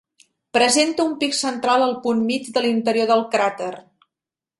Presenta un pic central al punt mig de l'interior del cràter.